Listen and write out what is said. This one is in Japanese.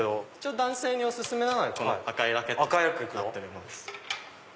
男性にお薦めなのは赤いラケットになっております。